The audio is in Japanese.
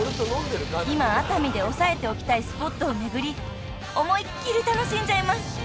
［今熱海で押さえておきたいスポットを巡り思いっ切り楽しんじゃいます］